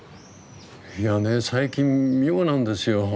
いやね最近妙なんですよ。